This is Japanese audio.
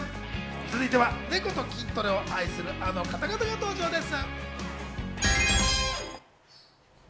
続いてはネコと筋トレを愛するあの方々が登場です。